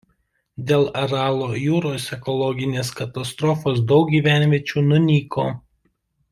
Dėl Aralo jūros ekologinės katastrofos daug gyvenviečių nunyko.